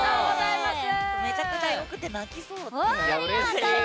めちゃくちゃよくて泣きそう。